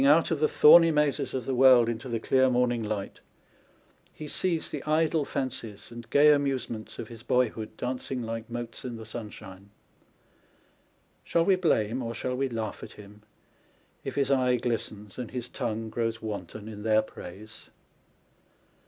10 J out of the thorny mazes of the world into the clear morning light, he sees the idle fancies and gay amuse ments of his boyhood dancing like motes in the sunshine. Shall we blame or shall we laugh at him, if his eye glistens, and his tongue grows wanton in their praise